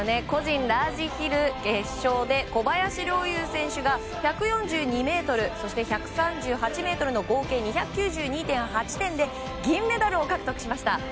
個人ラージヒル決勝で小林陵侑選手が１４２ｍそして１３８ｍの合計１９２．８点で銀メダルを獲得しました。